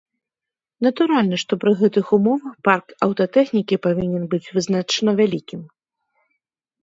Натуральна, што пры гэтых умовах парк аўтатэхнікі павінен быць вызначана вялікім.